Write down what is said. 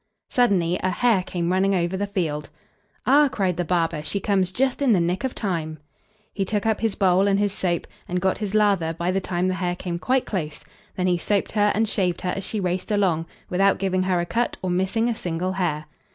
Suddenly a hare came running over the field. "Ah!" cried the barber, "she comes just in the nick of time." He took up his bowl and his soap, and got his lather by the time the hare came quite close, then he soaped her and shaved her as she raced along, without giving her a cut or missing a single hair.